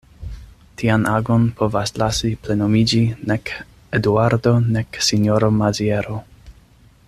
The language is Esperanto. Tian agon povas lasi plenumiĝi nek Eduardo nek sinjoro Maziero.